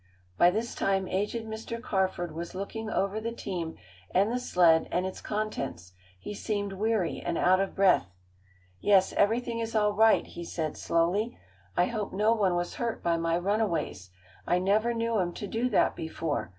By this time aged Mr. Carford was looking over the team and the sled and its contents. He seemed weary and out of breath. "Yes, everything is all right," he said slowly. "I hope no one was hurt by my runaways, I never knew 'em to do that before.